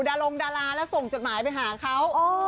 ดารงดาราแล้วส่งจดหมายไปหาเขา